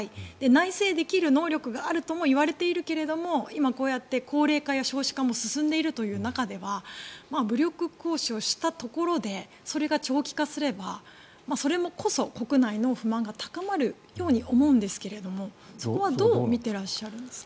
内製できる能力があるともいわれているけど今、こうやって高齢化や少子化も進んでいるという中では武力行使をしたところでそれが長期化すればそれこそ国内の不満が高まるように思うんですがそこはどう見ていらっしゃるんですか？